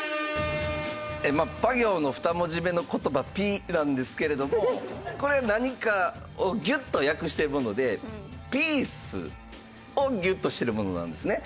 パ行の２文字目の言葉「ピ」なんですけれどもこれ何かをギュッと略してるものでピースをギュッとしてるものなんですね。